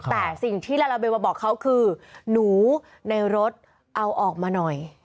แต่สิ่งที่ลาลาเบลมาบอกเขาคือหนูในรถเอาออกมาหน่อย